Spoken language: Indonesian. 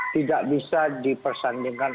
tidak bisa dipersandingkan